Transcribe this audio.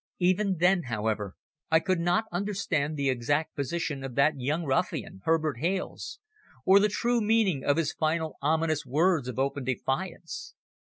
Even then, however, I could not understand the exact position of that young ruffian, Herbert Hales, or the true meaning of his final ominous words of open defiance.